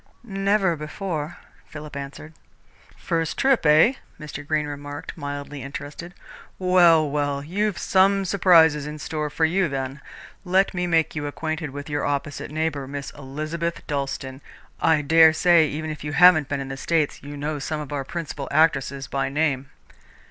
"Never before," Philip answered. "First trip, eh?" Mr. Greene remarked, mildly interested. "Well, well, you've some surprises in store for you, then. Let me make you acquainted with your opposite neighbour, Miss Elizabeth Dalstan. I dare say, even if you haven't been in the States, you know some of our principal actresses by name."